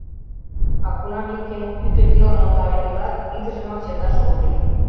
А кунам ик еҥ пӱтынь элым ондален ила — тидыжымак чыташ ок лий.